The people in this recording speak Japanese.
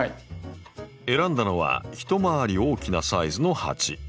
選んだのは一回り大きなサイズの鉢。